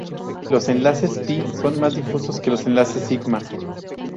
Los enlaces pi son más difusos que los enlaces sigma.